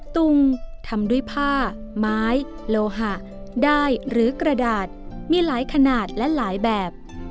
ตุงทำด้วยผ้าไม้โลหะได้หรือกระดาษมีหลายขนาดและหลายแบบ